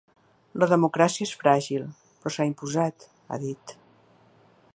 La democràcia és fràgil, però s’ha imposat, ha dit.